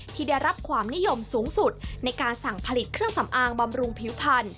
ที่ได้รับความนิยมสูงสุดในการสั่งผลิตเครื่องสำอางบำรุงผิวพันธุ